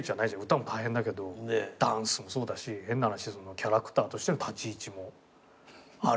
歌も大変だけどダンスもそうだし変な話キャラクターとしての立ち位置もあるから。